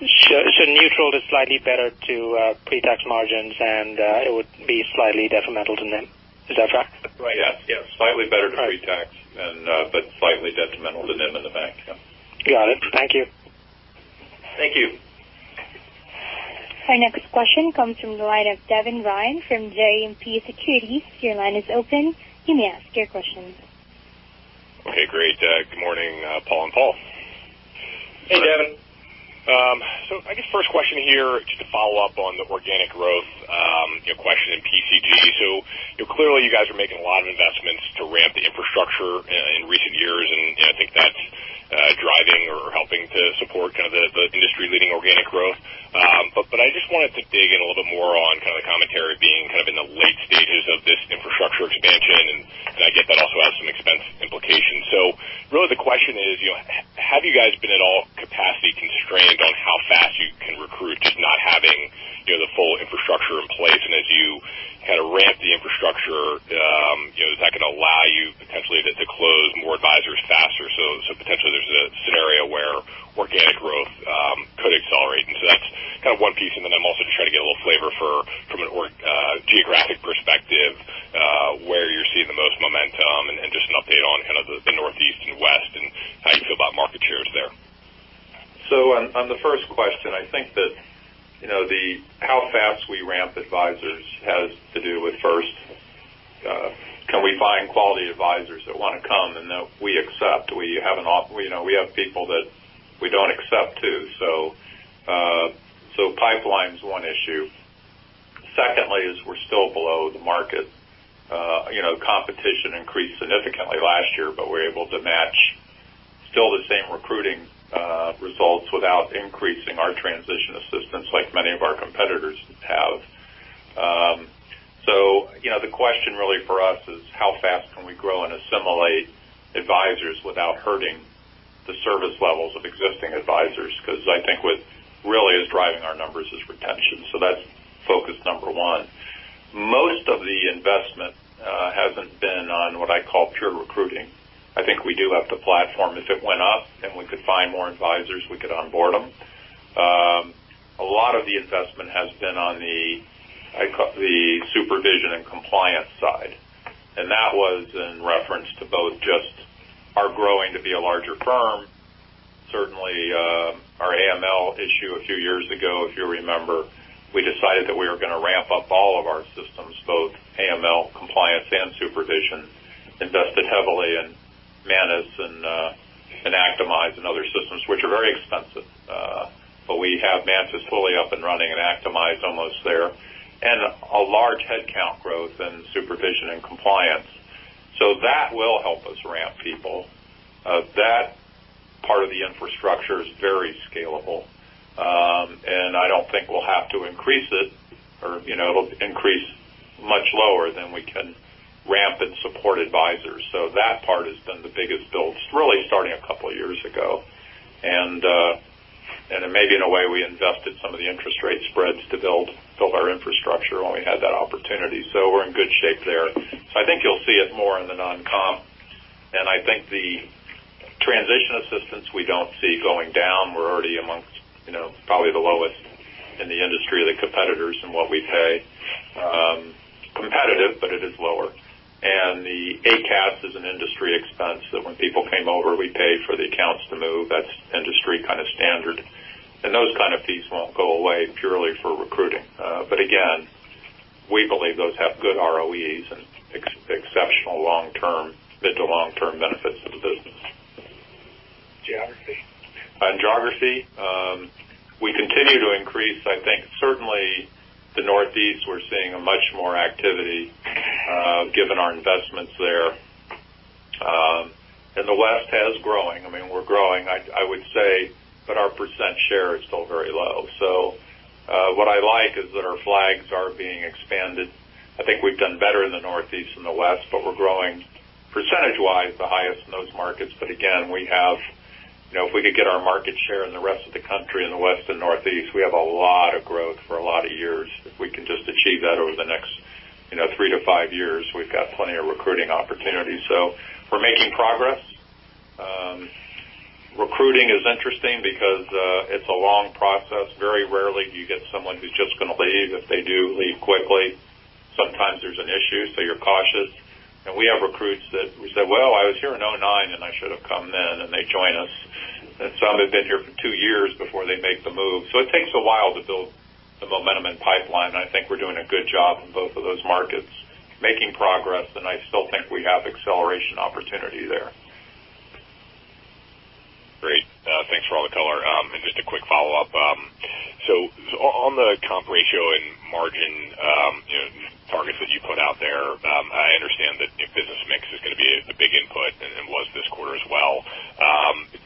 So neutral to slightly better to pre-tax margins, and it would be slightly detrimental to NIM. Is that correct? That's right. Yes. Yes. Slightly better to pre-tax, but slightly detrimental to NIM and the bank. Yeah. Got it. Thank you. Thank you. Our next question comes from the line of Devin Ryan from JMP Securities. Your line is open. You may ask your question. Okay. Great. Good morning, Paul and Paul. Hey, Devin. So I guess first question here, just to follow up on the organic growth question in PCG. So clearly, you guys are making a lot of investments to ramp the infrastructure in recent years, and I think that's driving or helping to support kind of the industry-leading organic growth. But I just wanted to dig in a little bit more on kind of the commentary being kind of in the late stages of this infrastructure expansion, and I get that also has some expense implications. So really, the question is, have you guys been at all capacity constrained on how fast you can recruit, just not having the full infrastructure in place? And as you kind of ramp the infrastructure, is that going to allow you potentially to close more advisors faster? So potentially, there's a scenario where organic growth could accelerate. And so that's kind of one piece. And then I'm also just trying to get a little flavor from a geographic perspective where you're seeing the most momentum and just an update on kind of the Northeast and West and how you feel about market shares there. So on the first question, I think that how fast we ramp advisors has to do with first, can we find quality advisors that want to come and that we accept? We have people that we don't accept too. So pipeline is one issue. Secondly, is we're still below the market. Competition increased significantly last year, but we're able to match still the same recruiting results without increasing our transition assistance like many of our competitors have. So the question really for us is how fast can we grow and assimilate advisors without hurting the service levels of existing advisors? Because I think what really is driving our numbers is retention. So that's focus number one. Most of the investment hasn't been on what I call pure recruiting. I think we do have the platform. If it went up and we could find more advisors, we could onboard them. A lot of the investment has been on the supervision and compliance side. And that was in reference to both just our growing to be a larger firm. Certainly, our AML issue a few years ago, if you remember, we decided that we were going to ramp up all of our systems, both AML, compliance, and supervision, invested heavily in Mantas and Actimize and other systems, which are very expensive. But we have Mantas totally up and running and Actimize almost there, and a large headcount growth in supervision and compliance. So that will help us ramp people. That part of the infrastructure is very scalable, and I don't think we'll have to increase it, or it'll increase much lower than we can ramp and support advisors. So that part has been the biggest build. It's really starting a couple of years ago. And maybe in a way, we invested some of the interest rate spreads to build our infrastructure when we had that opportunity. So we're in good shape there. So I think you'll see it more in the non-comp. And I think the transition assistance we don't see going down. We're already among probably the lowest in the industry of the competitors in what we pay. Competitive, but it is lower. The ACAT is an industry expense that when people came over, we paid for the accounts to move. That's industry kind of standard. Those kind of fees won't go away purely for recruiting. We believe those have good ROEs and exceptional long-term, mid-to-long-term benefits to the business. Geography. Geography. We continue to increase, I think. Certainly, the Northeast, we're seeing much more activity given our investments there. The West has growing. I mean, we're growing, I would say, but our percent share is still very low. What I like is that our flags are being expanded. I think we've done better in the Northeast than the West, but we're growing percentage-wise the highest in those markets. But again, we have if we could get our market share in the rest of the country in the West and Northeast, we have a lot of growth for a lot of years. If we can just achieve that over the next three to five years, we've got plenty of recruiting opportunities. So we're making progress. Recruiting is interesting because it's a long process. Very rarely do you get someone who's just going to leave. If they do leave quickly, sometimes there's an issue, so you're cautious. And we have recruits that we said, "Well, I was here in 2009, and I should have come then," and they join us. And some have been here for two years before they make the move. So it takes a while to build the momentum and pipeline. And I think we're doing a good job in both of those markets, making progress, and I still think we have acceleration opportunity there. Great. Thanks for all the color. And just a quick follow-up. So on the comp ratio and margin targets that you put out there, I understand that business mix is going to be a big input and was this quarter as well.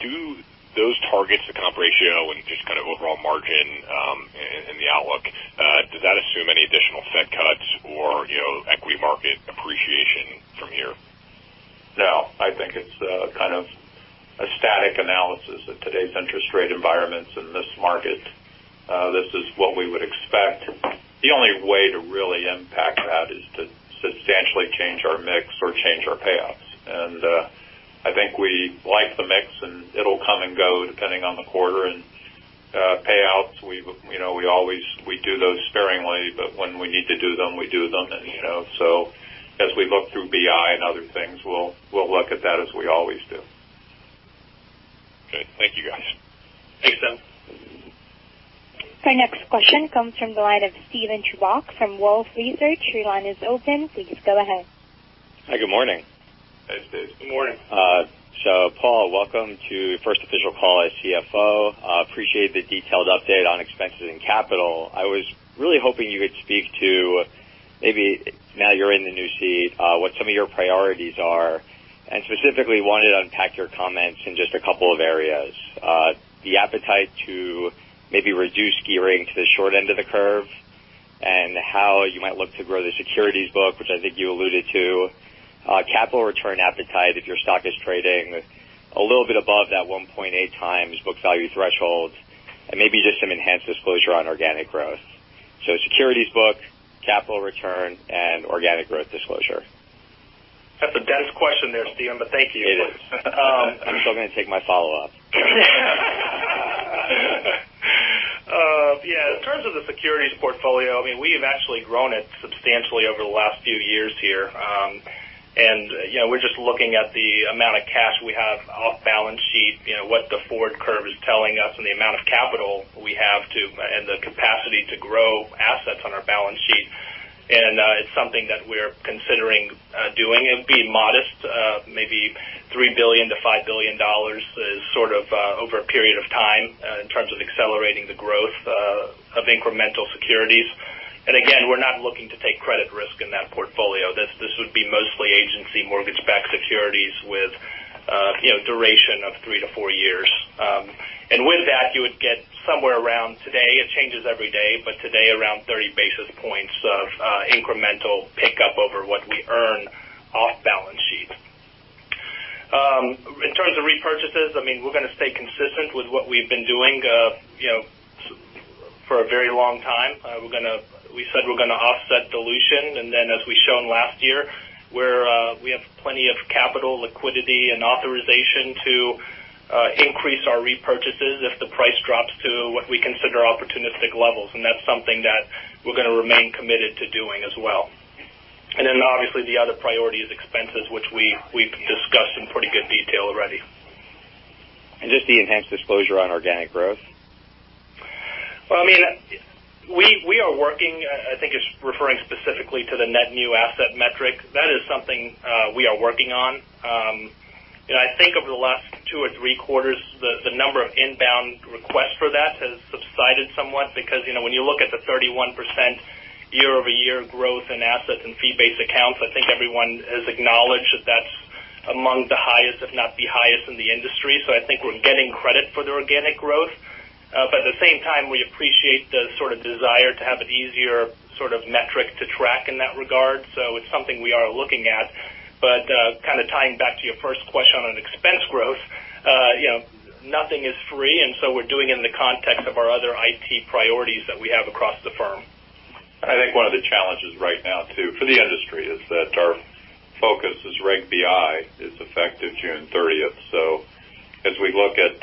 Do those targets, the comp ratio and just kind of overall margin and the outlook, does that assume any additional Fed cuts or equity market appreciation from here? No. I think it's kind of a static analysis of today's interest rate environments in this market. This is what we would expect. The only way to really impact that is to substantially change our mix or change our payouts. And I think we like the mix, and it'll come and go depending on the quarter. And payouts, we always do those sparingly, but when we need to do them, we do them. And so as we look through BI and other things, we'll look at that as we always do. Okay. Thank you, guys. Thanks, Devin. Our next question comes from the line of Steven Chubak from Wolfe Research. Your line is open. Please go ahead. Hi. Good morning. Hey, Steve. Good morning. So Paul, welcome to first official call as CFO. Appreciate the detailed update on expenses and capital. I was really hoping you could speak to maybe now you're in the new seat, what some of your priorities are, and specifically wanted to unpack your comments in just a couple of areas. The appetite to maybe reduce gearing to the short end of the curve and how you might look to grow the securities book, which I think you alluded to, capital return appetite if your stock is trading a little bit above that 1.8x book value threshold, and maybe just some enhanced disclosure on organic growth. So securities book, capital return, and organic growth disclosure. That's a dense question there, Steven, but thank you. I'm still going to take my follow-up. Yeah. In terms of the securities portfolio, I mean, we have actually grown it substantially over the last few years here. We're just looking at the amount of cash we have off balance sheet, what the forward curve is telling us, and the amount of capital we have and the capacity to grow assets on our balance sheet. It's something that we're considering doing. It would be modest, maybe $3 billion-$5 billion sort of over a period of time in terms of accelerating the growth of incremental securities. And again, we're not looking to take credit risk in that portfolio. This would be mostly agency mortgage-backed securities with duration of three to four years. And with that, you would get somewhere around today. It changes every day, but today around 30 basis points of incremental pickup over what we earn off balance sheet. In terms of repurchases, I mean, we're going to stay consistent with what we've been doing for a very long time. We said we're going to offset dilution. And then, as we've shown last year, we have plenty of capital, liquidity, and authorization to increase our repurchases if the price drops to what we consider opportunistic levels. That's something that we're going to remain committed to doing as well. Obviously, the other priority is expenses, which we've discussed in pretty good detail already. Just the enhanced disclosure on organic growth? I mean, we are working. I think it's referring specifically to the net new asset metric. That is something we are working on. I think over the last two or three quarters, the number of inbound requests for that has subsided somewhat because when you look at the 31% year-over-year growth in assets and fee-based accounts, I think everyone has acknowledged that that's among the highest, if not the highest, in the industry. I think we're getting credit for the organic growth. At the same time, we appreciate the sort of desire to have an easier sort of metric to track in that regard. So it's something we are looking at. But kind of tying back to your first question on expense growth, nothing is free, and so we're doing it in the context of our other IT priorities that we have across the firm. I think one of the challenges right now too for the industry is that our focus is Reg BI is effective June 30th. So as we look at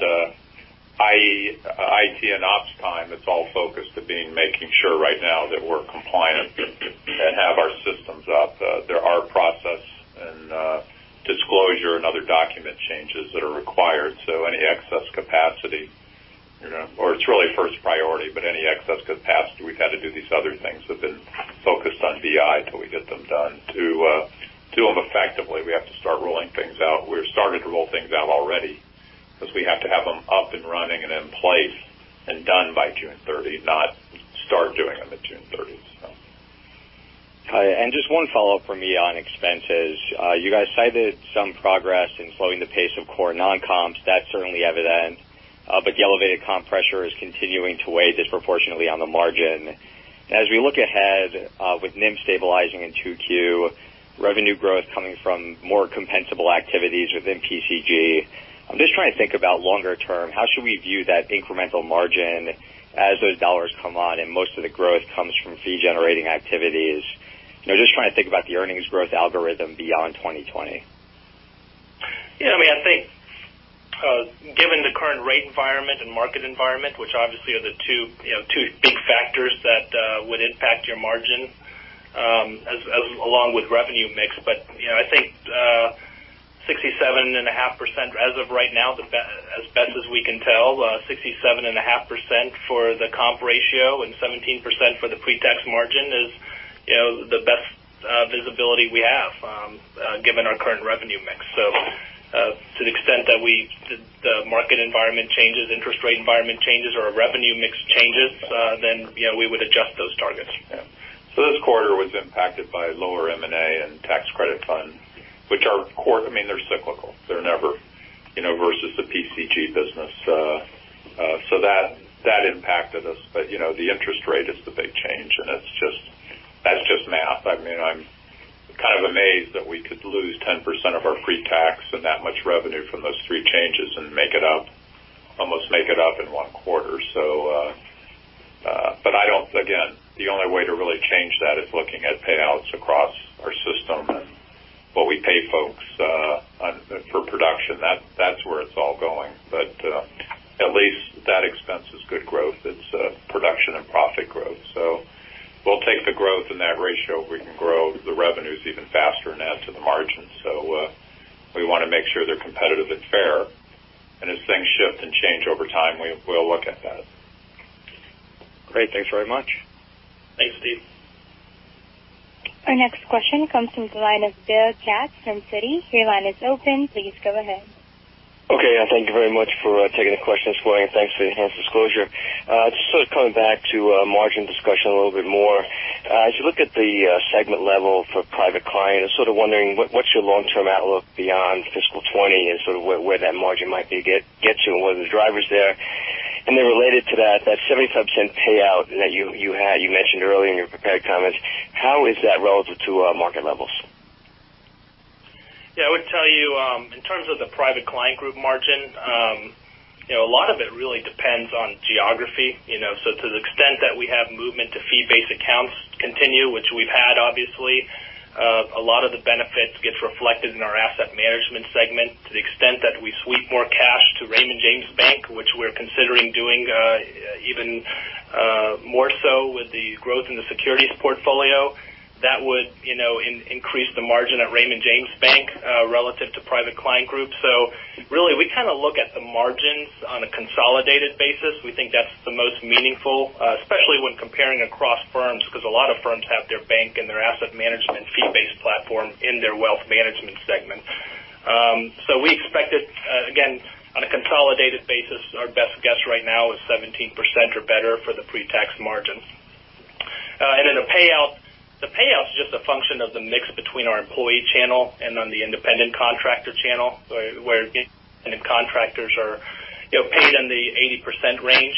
IT and ops time, it's all focused to being making sure right now that we're compliant and have our systems up. There are process and disclosure and other document changes that are required. So any excess capacity, or it's really first priority, but any excess capacity, we've had to do these other things that have been focused on BI until we get them done to do them effectively. We have to start rolling things out. We've started to roll things out already because we have to have them up and running and in place and done by June 30th, not start doing them at June 30th, so. And just one follow-up from me on expenses. You guys cited some progress in slowing the pace of core non-comps. That's certainly evident. But the elevated comp pressure is continuing to weigh disproportionately on the margin. As we look ahead with NIM stabilizing in Q2, revenue growth coming from more compensable activities within PCG, I'm just trying to think about longer term. How should we view that incremental margin as those dollars come on and most of the growth comes from fee-generating activities? Just trying to think about the earnings growth algorithm beyond 2020. Yeah. I mean, I think given the current rate environment and market environment, which obviously are the two big factors that would impact your margin along with revenue mix. But I think 67.5% as of right now, as best as we can tell, 67.5% for the comp ratio and 17% for the pre-tax margin is the best visibility we have given our current revenue mix. So to the extent that the market environment changes, interest rate environment changes, or revenue mix changes, then we would adjust those targets. So this quarter was impacted by lower M&A and tax credit funds, which are - I mean, they're cyclical. They're never versus the PCG business. So that impacted us. But the interest rate is the big change, and that's just math. I mean, I'm kind of amazed that we could lose 10% of our pre-tax and that much revenue from those three changes and almost make it up in one quarter. But again, the only way to really change that is looking at payouts across our system and what we pay folks for production. That's where it's all going. But at least that expense is good growth. It's production and profit growth. So we'll take the growth and that ratio. We can grow the revenues even faster and add to the margin. So we want to make sure they're competitive and fair. And as things shift and change over time, we'll look at that. Great. Thanks very much. Thanks, Steve. Our next question comes from the line of Bill Katz from Citi. Your line is open. Please go ahead. Okay. Thank you very much for taking the question this morning. Thanks for the enhanced disclosure. Just sort of coming back to margin discussion a little bit more. As you look at the segment level for Private Client, I'm sort of wondering what's your long-term outlook beyond fiscal 2020 and sort of where that margin might get to and what are the drivers there? And then related to that, that 75% payout that you mentioned earlier in your prepared comments, how is that relative to market levels? Yeah. I would tell you in terms of the Private Client Group margin, a lot of it really depends on geography. So to the extent that we have movement to fee-based accounts continue, which we've had, obviously, a lot of the benefits get reflected in our Asset Management segment. To the extent that we sweep more cash to Raymond James Bank, which we're considering doing even more so with the growth in the securities portfolio, that would increase the margin at Raymond James Bank relative to Private Client Group. So really, we kind of look at the margins on a consolidated basis. We think that's the most meaningful, especially when comparing across firms because a lot of firms have their bank and their Asset Management fee-based platform in their wealth management segment. So we expect it, again, on a consolidated basis, our best guess right now is 17% or better for the pre-tax margin. And then the payout's just a function of the mix between our employee channel and on the independent contractor channel where independent contractors are paid in the 80% range.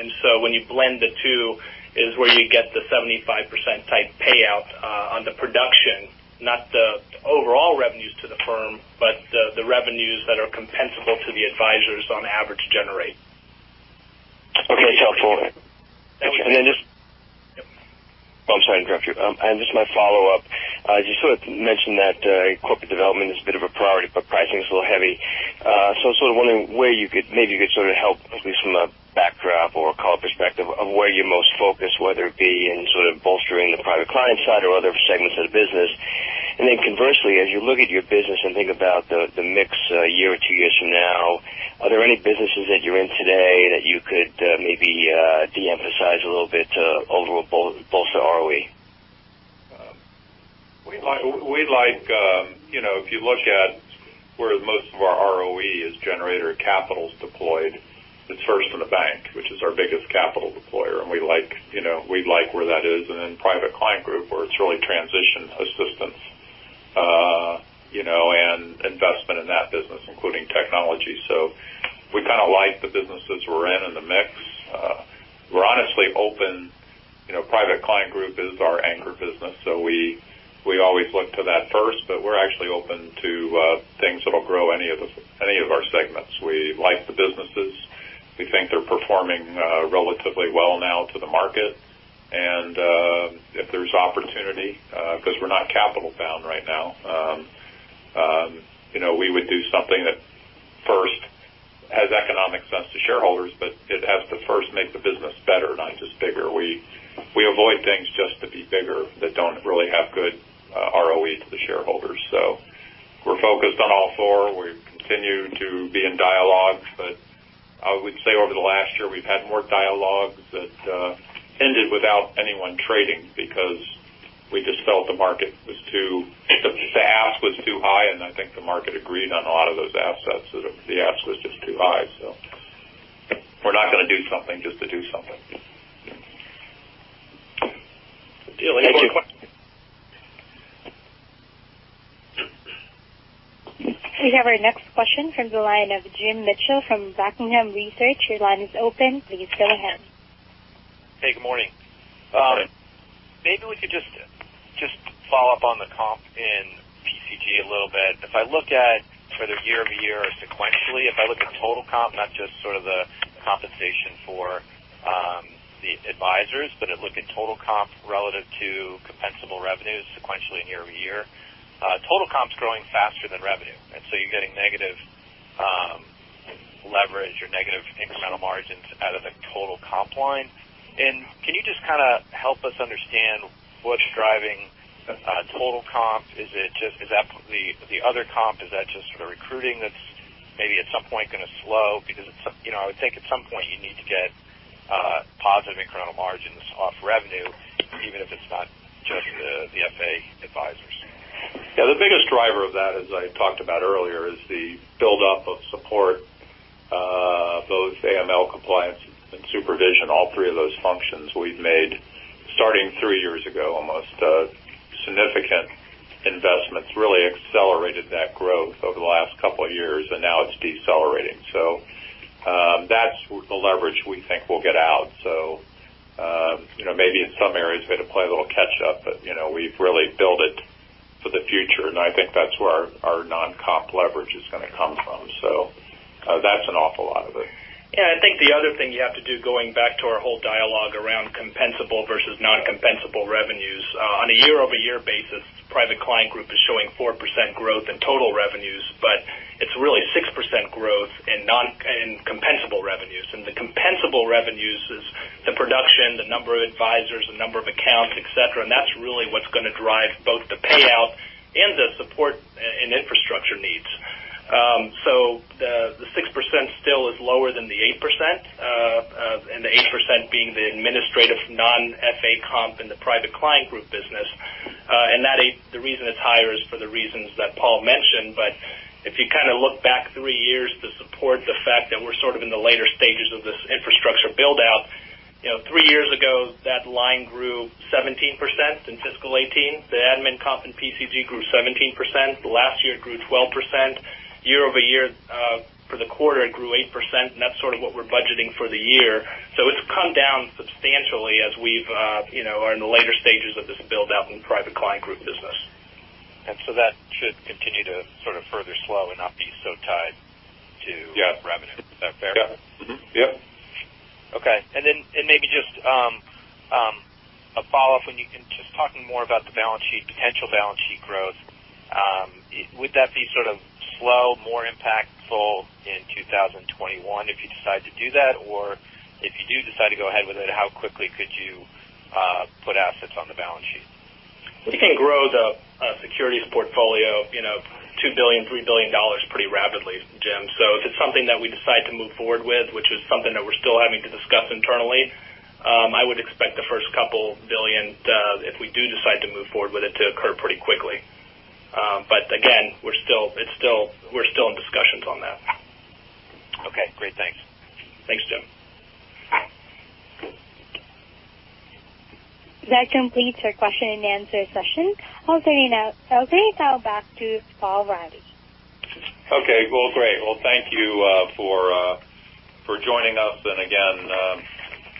And so when you blend the two, it's where you get the 75%-type payout on the production, not the overall revenues to the firm, but the revenues that are compensable to the advisors on average generate. Okay. That's helpful. And then just, I'm sorry to interrupt you. And just my follow-up. You sort of mentioned that corporate development is a bit of a priority, but pricing's a little heavy. So I was sort of wondering where you could maybe sort of help, at least from a backdrop or a call perspective, of where you're most focused, whether it be in sort of bolstering the private client side or other segments of the business. Then conversely, as you look at your business and think about the mix a year or two years from now, are there any businesses that you're in today that you could maybe de-emphasize a little bit to bolster the ROE? We'd like if you look at where most of our ROE is generated or capital's deployed, it's first in the bank, which is our biggest capital deployer. And we'd like where that is in Private Client Group where it's really transition assistance and investment in that business, including technology. So we kind of like the businesses we're in and the mix. We're honestly open. Private Client Group is our anchor business, so we always look to that first. But we're actually open to things that'll grow any of our segments. We like the businesses. We think they're performing relatively well now to the market. And if there's opportunity because we're not capital-bound right now, we would do something that first has economic sense to shareholders, but it has to first make the business better, not just bigger. We avoid things just to be bigger that don't really have good ROE to the shareholders. So we're focused on all four. We continue to be in dialogue. But I would say over the last year, we've had more dialogues that ended without anyone trading because we just felt the market was too, the ask was too high. And I think the market agreed on a lot of those assets that the ask was just too high. So we're not going to do something just to do something. Thank you. We have our next question from the line of Jim Mitchell from Buckingham Research. Your line is open. Please go ahead. Hey. Good morning. Maybe we could just follow up on the comp in PCG a little bit. If I look at for the year-over-year or sequentially, if I look at total comp, not just sort of the compensation for the advisors, but look at total comp relative to compensable revenues sequentially and year-over-year, total comp's growing faster than revenue. And so you're getting negative leverage or negative incremental margins out of the total comp line. And can you just kind of help us understand what's driving total comp? Is that the other comp? Is that just sort of recruiting that's maybe at some point going to slow? Because I would think at some point you need to get positive incremental margins off revenue, even if it's not just the FA advisors. Yeah. The biggest driver of that, as I talked about earlier, is the buildup of support, both AML compliance and supervision, all three of those functions. We've made, starting three years ago almost, significant investments really accelerated that growth over the last couple of years, and now it's decelerating. So that's the leverage we think we'll get out. So maybe in some areas, we had to play a little catch-up, but we've really built it for the future. And I think that's where our non-comp leverage is going to come from. So that's an awful lot of it. Yeah. I think the other thing you have to do, going back to our whole dialogue around compensable versus non-compensable revenues, on a year-over-year basis, Private Client Group is showing 4% growth in total revenues, but it's really 6% growth in compensable revenues. And the compensable revenues is the production, the number of advisors, the number of accounts, etc. And that's really what's going to drive both the payout and the support and infrastructure needs. So the 6% still is lower than the 8%, and the 8% being the administrative non-FA comp in the Private Client Group business. And the reason it's higher is for the reasons that Paul mentioned. But if you kind of look back three years to support the fact that we're sort of in the later stages of this infrastructure buildout, three years ago, that line grew 17% in fiscal 2018. The admin comp in PCG grew 17%. Last year, it grew 12%. Year-over-year for the quarter, it grew 8%. And that's sort of what we're budgeting for the year. So it's come down substantially as we are in the later stages of this buildout in Private Client Group business. And so that should continue to sort of further slow and not be so tied to revenue. Is that fair? Yeah. Yep. Okay. And then maybe just a follow-up, just talking more about the potential balance sheet growth. Would that be sort of slow, more impactful in 2021 if you decide to do that? Or if you do decide to go ahead with it, how quickly could you put assets on the balance sheet? We can grow the securities portfolio $2 billion-$3 billion pretty rapidly, Jim. So if it's something that we decide to move forward with, which is something that we're still having to discuss internally, I would expect the first couple billion, if we do decide to move forward with it, to occur pretty quickly. But again, we're still in discussions on that. Okay. Great. Thanks. Thanks, Jim. That completes our question-and-answer session. I'll turn it now straight back to Paul Reilly. Okay. Well, great. Well, thank you for joining us. And again,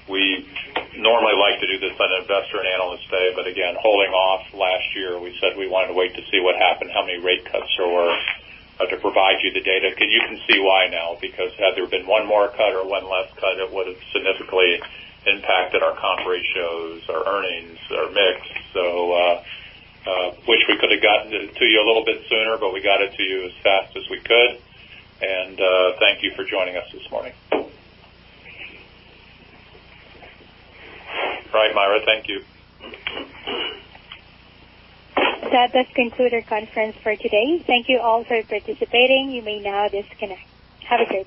we normally like to do this on Investor and Analyst Day, but again, holding off. Last year, we said we wanted to wait to see what happened, how many rate cuts there were, to provide you the data. You can see why now because had there been one more cut or one less cut, it would have significantly impacted our comp ratios, our earnings, our mix. So wish we could have gotten it to you a little bit sooner, but we got it to you as fast as we could. And thank you for joining us this morning. All right, Myra. Thank you. That does conclude our conference for today. Thank you all for participating. You may now disconnect. Have a good day.